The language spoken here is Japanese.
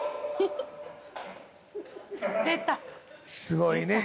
すごいね。